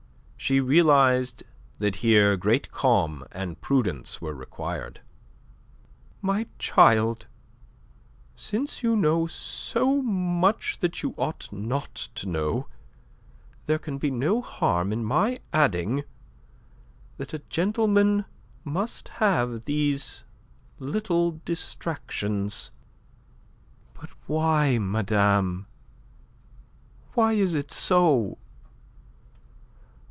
She realized that here great calm and prudence were required. "My child, since you know so much that you ought not to know, there can be no harm in my adding that a gentleman must have these little distractions." "But why, madame? Why is it so?"